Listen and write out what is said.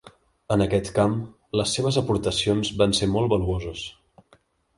En aquest camp, les seves aportacions van ser molt valuoses.